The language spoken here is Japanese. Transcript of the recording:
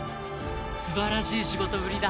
素晴らしい仕事ぶりだ。